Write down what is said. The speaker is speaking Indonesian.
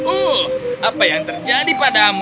uh apa yang terjadi padamu